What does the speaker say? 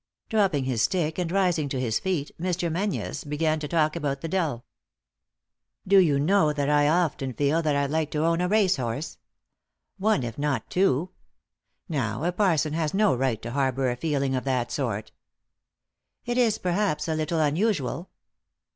Dropping his stick, and rising to his feet, Mr. Menzies began to walk about the dell. " Do you know that I often feel that I'd like to own a race horse ? One, if not two. Now, a parson has no right to harbour a feeling of that sort" " It is perhaps a little unusual."